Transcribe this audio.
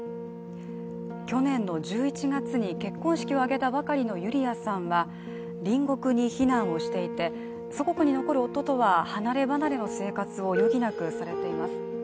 去年の１１月に結婚式を挙げたばかりのユリアさんは隣国に避難をしていて、祖国に残る夫とは離れ離れの生活を余儀なくされています。